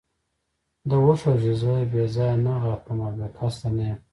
ده وښودل چې زه بې ځایه نه غاپم او بې قصده نه یم.